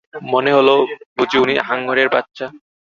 মনে হল, বুঝি উনি হাঙ্গরের বাচ্চা।